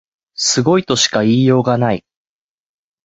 すごいとしか言いようがない